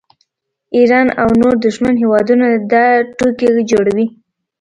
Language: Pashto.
ایران او نور دښمن هیوادونه دا ټوکې جوړوي